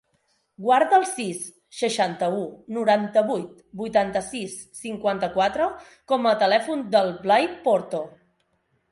Guarda el sis, seixanta-u, noranta-vuit, vuitanta-sis, cinquanta-quatre com a telèfon del Blai Porto.